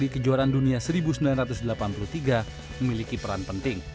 di kejuaraan dunia seribu sembilan ratus delapan puluh tiga memiliki peran penting